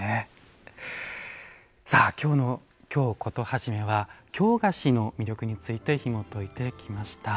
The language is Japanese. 今日の「京コトはじめ」は京菓子の魅力についてひもといてきました。